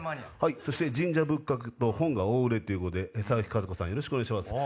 そして神社仏閣の本が大売れということでササキカズコさんよろしくお願いします。